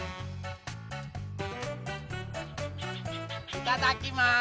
いただきます！